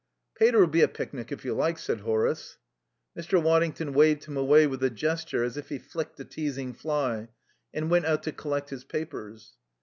"Pater'll be a picnic, if you like," said Horace. Mr. Waddington waved him away with a gesture as if he flicked a teasing fly, and went out to collect his papers.